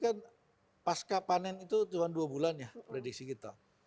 kalau masa pak ceklik ini kan pasca panen itu cuma dua bulan ya prediksi kita